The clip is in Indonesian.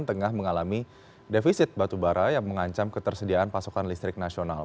tengah mengalami defisit batubara yang mengancam ketersediaan pasokan listrik nasional